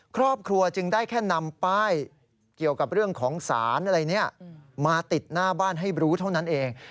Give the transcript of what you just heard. ครอบครัวจึงได้แค่นำป้ายเกี่ยวกับเรื่องของสารอะไรนี้มาติดหน้าบ้านให้รู้เท่านั้นเอง